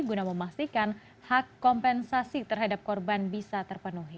guna memastikan hak kompensasi terhadap korban bisa terpenuhi